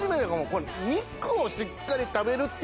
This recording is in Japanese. これ肉をしっかり食べるっていう炒飯。